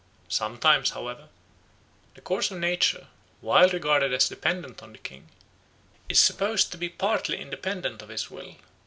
Sometimes, however, the course of nature, while regarded as dependent on the king, is supposed to be partly independent of his will.